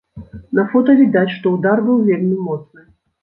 На фота відаць, што ўдар быў вельмі моцны.